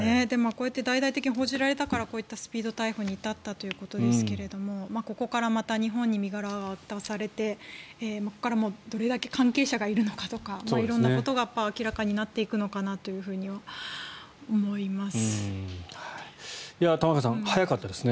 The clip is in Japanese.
こうやって大々的に報じられたからスピード逮捕に至ったということですがここからまた日本に身柄が渡されてここから、どれだけ関係者がいるのかとか色んなことが明らかになっていくのかなとは思います。